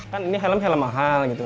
kan ini helm helm mahal gitu